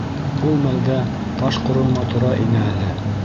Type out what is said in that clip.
Ул мәлдә таш ҡоролма тора ине әле.